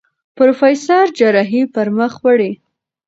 پروفېسر جراحي پر مخ وړي.